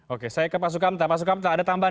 oke saya ke pak sukamta pak sukamta ada tambahan